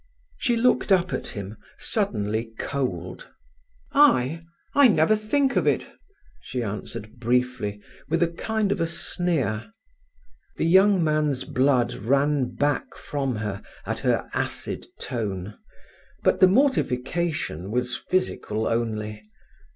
She looked up at him, suddenly cold. "I! I never think of it," she answered briefly, with a kind of sneer. The young man's blood ran back from her at her acid tone. But the mortification was physical only.